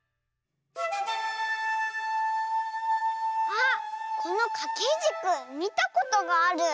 あっこのかけじくみたことがある。